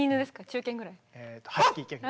中犬ぐらい？